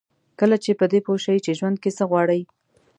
کله چې په دې پوه شئ چې ژوند کې څه غواړئ.